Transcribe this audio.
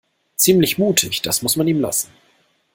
Ziemlich mutig, das muss man ihm lassen.